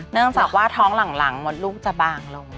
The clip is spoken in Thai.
เนื่องจากว่าท้องหลังมดลูกจะบางลง